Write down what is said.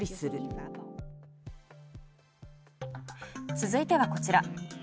続いてはこちら。